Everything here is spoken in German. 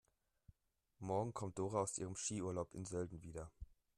Morgen kommt Dora aus ihrem Skiurlaub in Sölden wieder.